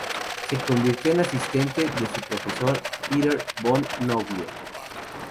Se convirtió en asistente de su profesor Peter von Nobile.